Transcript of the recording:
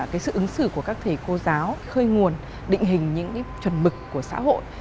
cái sự ứng xử của các thầy cô giáo khơi nguồn định hình những cái chuẩn mực của xã hội